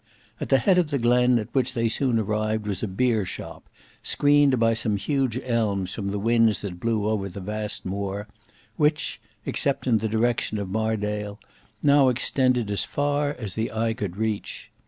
At the head of the glen, at which they soon arrived, was a beer shop, screened by some huge elms from the winds that blew over the vast moor, which, except in the direction of Mardale, now extended as far as the eye could reach.